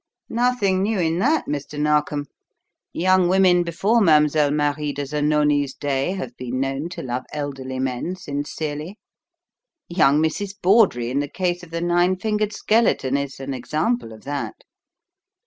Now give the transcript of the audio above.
"Nothing new in that, Mr. Narkom. Young women before Mlle. Marie de Zanoni's day have been known to love elderly men sincerely: young Mrs. Bawdrey, in the case of 'The Nine fingered Skeleton,' is an example of that.